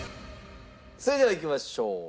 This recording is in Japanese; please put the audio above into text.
それではいきましょう。